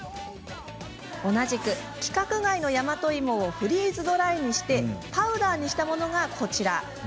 同じく、規格外の大和いもをフリーズドライにしてパウダーにしたものがこちら。